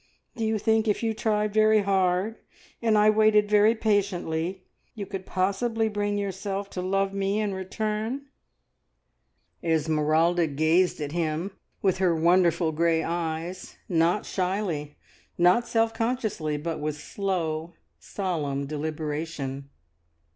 Do you think if you tried very hard, and I waited very patiently, you could possibly bring yourself to love me in return?" Esmeralda gazed at him with her wonderful grey eyes, not shyly, not self consciously, but with slow, solemn deliberation.